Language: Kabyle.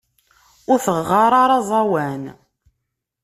Ur teɣɣar ara aẓawan.